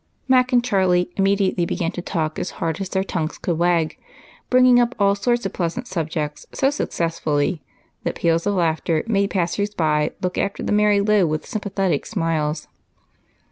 Mac and Charlie immediately began to talk as hard as their tongues could wag, bringing up all sorts of pleasant subjects so successfully that peals of laughter made passersby look after the merry load with sympathetic smiles.